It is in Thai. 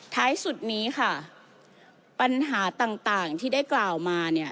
ท้ายสุดนี้ค่ะปัญหาต่างที่ได้กล่าวมาเนี่ย